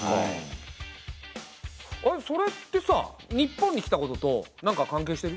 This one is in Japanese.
あれそれってさ日本に来たこととなんか関係してる？